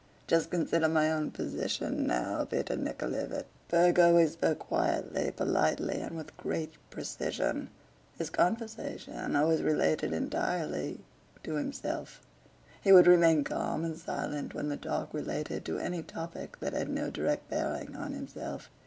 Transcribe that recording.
Just consider my own position now, Peter Nikoláevich..." Berg always spoke quietly, politely, and with great precision. His conversation always related entirely to himself; he would remain calm and silent when the talk related to any topic that had no direct bearing on himself.